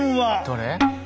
どれ？